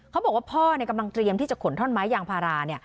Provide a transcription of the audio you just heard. เขาบอกว่าพ่อกำลังเตรียมที่จะขนท่อนไม้ยางพารา